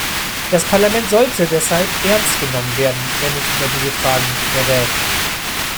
Das Parlament sollte deshalb ernst genommen werden, wenn es über diese Fragen berät.